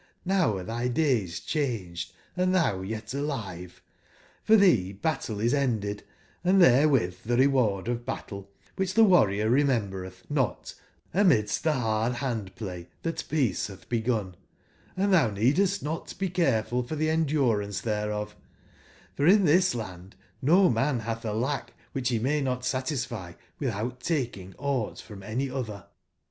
]Vowarethy days changed and thou yet alive, for thee battle is ended, and therewith the reward of battle, which the warriorrememberethnotamidstthehard hand/play: peace hath begun, and thou needest not be careful for the endurance thereof: for in this land no man hath a lack which he may not satisfy without taking aught from any other.